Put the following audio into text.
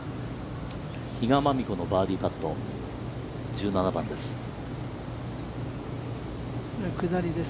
比嘉真美子のバーディーパット、１７番です。